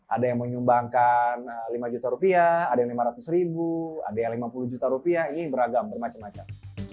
ada yang menyumbangkan lima juta rupiah ada yang lima ratus ribu ada yang lima puluh juta rupiah ini beragam bermacam macam